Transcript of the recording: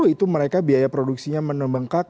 itu mereka biaya produksinya menembengkak